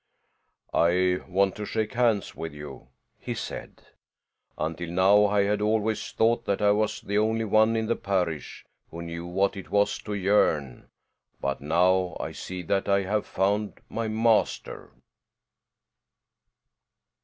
"I want to shake hands with you," he said. "Until now I had always thought that I was the only one in this parish who knew what it was to yearn; but now I see that I have found my master."